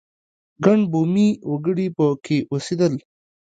ګڼ بومي وګړي په کې اوسېدل.